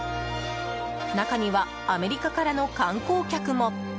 中にはアメリカからの観光客も。